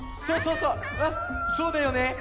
そうだよね！